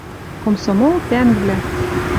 Комсомол тӓнгвлӓ